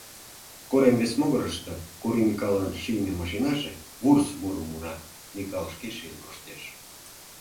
Корем вес могырышто Кури Микалын шийме машинаже вурс мурым мура: Микал шке шийын коштеш.